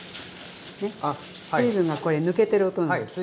ねっ水分がこれ抜けてる音。